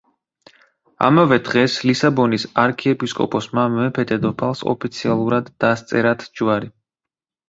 ამავე დღეს ლისაბონის არქიეპისკოპოსმა მეფე-დედოფალს ოფიციალურად დასწერათ ჯვარი.